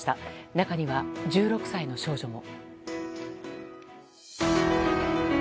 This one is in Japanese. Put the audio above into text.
中には１６歳の少女も。